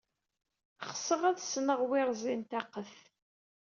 Xseɣ ad ssneɣ wi rẓin taqqet.